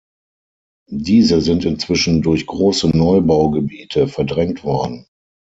Diese sind inzwischen durch große Neubaugebiete verdrängt worden.